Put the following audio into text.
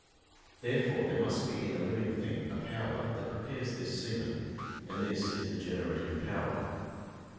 Therefore there must be in the living thing a power that prepares this semen; and this is the generative power.